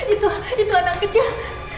itu itu anak kecil